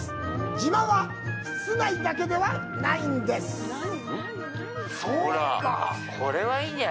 自慢は室内だけではないんですよ。